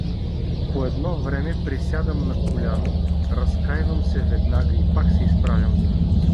По едно време присядам на коляно, разкайвам се веднага и пак се изправям.